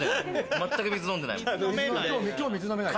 全く水飲んでないもん。